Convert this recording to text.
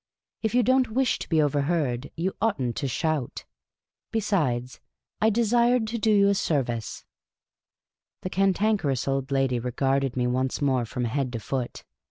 If you don't wish to be overheard, you ought n't to shout. Besides, I desired to do you a service. '' The Cantankerous Old I^ady regarded me once more from 12 Miss Cayley's Adventures head to foot.